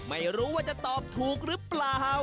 ไม่รู้ว่าจะตอบถูกหรือเปล่า